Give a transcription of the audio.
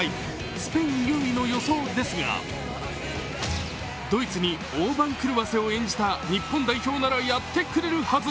スペイン優位の予想ですがドイツに大番狂わせを演じた日本代表ならやってくれるはず。